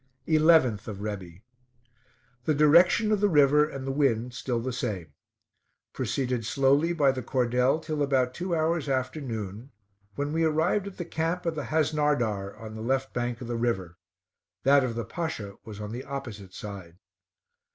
11th of Rebi. The direction of the river and the wind still the same. Proceeded slowly by the cordel till about two hours after noon, when we arrived at the camp of the Hasnardar on the left bank of the river; that of the Pasha was on the opposite side.